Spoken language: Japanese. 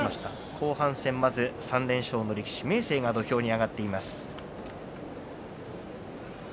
後半戦まだ３連勝の力士明生が土俵に上がっています。